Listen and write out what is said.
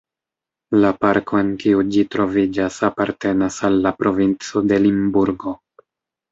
La parko en kiu ĝi troviĝas apartenas al la provinco de Limburgo.